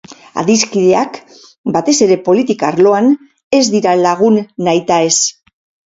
Adiskideak, batez ere politika arloan, ez dira lagun nahitaez.